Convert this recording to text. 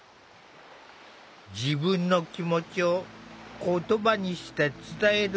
自分の気持ちを言葉にして伝えるのが苦手だという。